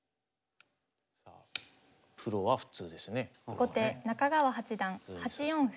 後手中川八段８四歩。